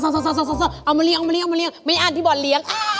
จะเอามาเลี้ยงไม่อ่านที่บอสเลี้ยง